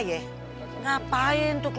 ngapain tuh keluarga haji sulam ninggalin aja si badal